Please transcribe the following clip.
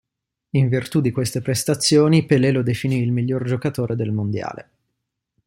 In virtù di queste prestazioni Pelé lo definì il miglior giocatore del mondiale.